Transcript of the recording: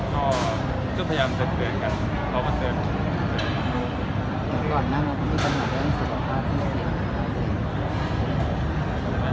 พวกเขาจะพยายามเติดเผือนกัน